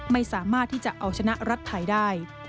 ไม่สามารถที่จะเอาชนะรัฐไทยได้